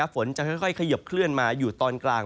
ฝนจะค่อยขยบเคลื่อนมาอยู่ตอนกลาง